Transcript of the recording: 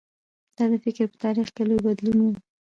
دا د فکر په تاریخ کې لوی بدلون و.